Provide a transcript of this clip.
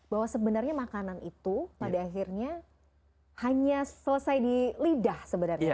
bahwa sebenarnya makanan itu pada akhirnya hanya selesai di lidah sebenarnya